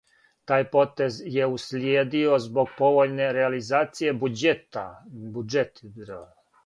Тај потез је услиједио због повољне реализације буђета.